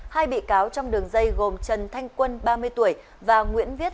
hai bị cáo trong đường dây gồm trần thanh quân ba mươi tuổi và nguyễn viết